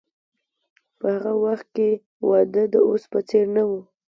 په هغه وخت کې واده د اوس په څیر نه و.